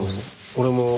俺も。